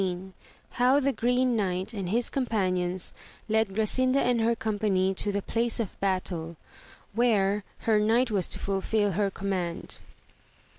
— How the G reek Knight and his companions led Grasinda and her company to the place of battle, where her knight was to fulfil her command.